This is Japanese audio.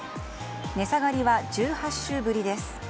値下がりは１８週ぶりです。